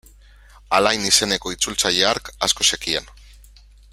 Alain izeneko itzultzaile hark asko zekien.